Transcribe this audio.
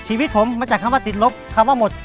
ชีวิตผมมาจากคำว่าติดลบคำว่าหมด